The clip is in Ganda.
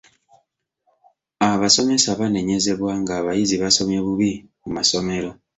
Abasomesa banenyezebwa ng'abayizi basomye bubi mu masomero.